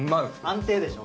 安定でしょ。